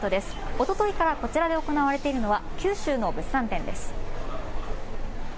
おとといからこちらで行われているのは九州の物産展です。